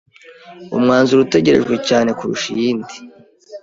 Umwanzuro utegerejwe cyane kurusha iyindi